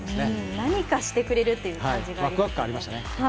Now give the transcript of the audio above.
何かしてくれるという感じがありますね。